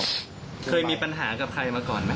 เคยมีปัญหากับใครมาก่อนไหม